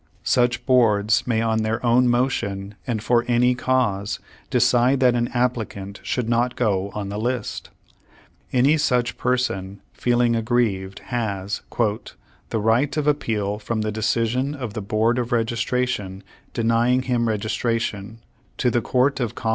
Such boards may on their own motion and for any cause decide that an applicant should not go on the list. Any such per son feeling aggrieved, has ''The right of appeal from the decision of the Board of Registration denying him registration, to the Court of Com m.